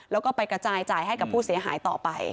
แล้วก็ไปกระจายจ่ายให้กับผู้เสียหายต่อไป